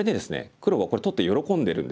黒はこれ取って喜んでるんですけれども。